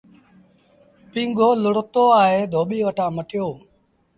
پيٚنگو لوڙتو آئي ڌوٻيٚ وٽآن مٽيو۔